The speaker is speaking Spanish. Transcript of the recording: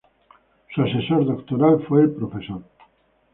Su asesor doctoral fue el Prof.